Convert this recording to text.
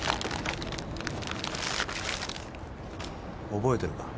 覚えてるか？